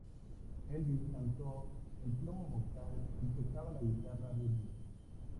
Elvis cantó el plomo vocal, y tocaba la guitarra rítmica.